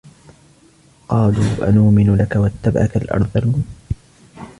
قَالُوا أَنُؤْمِنُ لَكَ وَاتَّبَعَكَ الْأَرْذَلُونَ